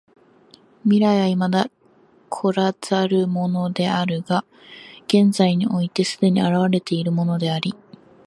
未来は未だ来らざるものであるが現在において既に現れているものであり、